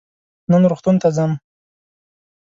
نن روغتون ته ځم.